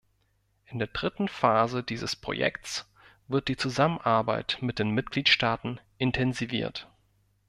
In der dritten Phase dieses Projekts wird die Zusammenarbeit mit den Mitgliedstaaten intensiviert.